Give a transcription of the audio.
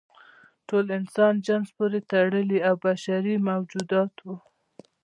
ټول د انسان جنس پورې تړلي او بشري موجودات وو.